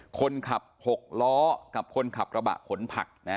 คนขับ๖ล้อกับคนขับกระบะขนผัก